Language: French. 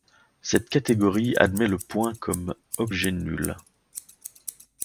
Cette catégorie admet le point comme objet nul.